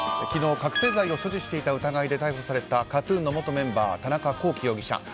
昨日、覚醒剤を所持していた疑いで逮捕されたＫＡＴ‐ＴＵＮの元メンバー田中聖容疑者。